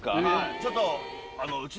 ちょっと。